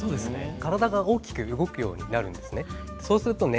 体が起きていて動くようになるんですね。